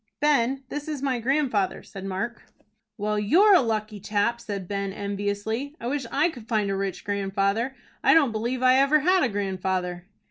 "Ben, this is my grandfather," said Mark. "Well, you're a lucky chap," said Ben, enviously. "I wish I could find a rich grandfather. I don't believe I ever had a grandfather."